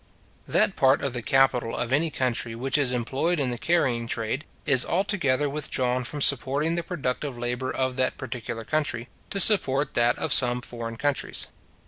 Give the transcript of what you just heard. That part of the capital of any country which is employed in the carrying trade, is altogether withdrawn from supporting the productive labour of that particular country, to support that of some foreign countries.